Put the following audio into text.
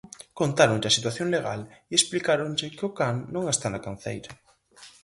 Contáronlle a situación legal e explicáronlle que o can non está na canceira.